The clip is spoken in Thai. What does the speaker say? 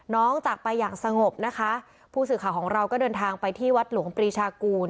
จากไปอย่างสงบนะคะผู้สื่อข่าวของเราก็เดินทางไปที่วัดหลวงปรีชากูล